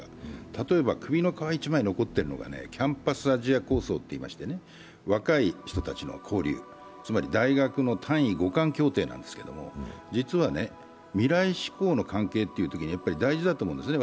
例えば首の皮一枚残っているのがキャンパスアジア構想といいまして若い人たちの交流、つまり大学の単位互換協定なんですけれども、実は、未来志向の関係というときに大事だと思うんですね。